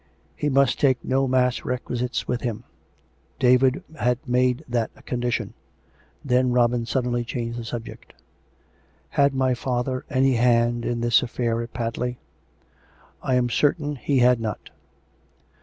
He must take no mass requisites with him. David had made that a condition. Then Robin suddenly changed the sub ject. "Had my father any hand in this affair at Padley? "" I am certain he had not."